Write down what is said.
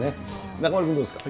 中丸君どうですか？